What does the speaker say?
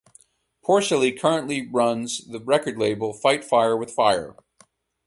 Porcelly currently runs the record label Fight Fire with Fire.